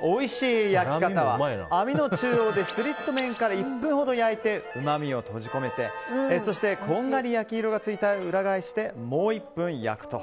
おいしい焼き方は網の中央でスリット面から１分ほど焼いてうまみを閉じ込めてそしてこんがり焼き色がついたら裏返して、もう１分焼くと。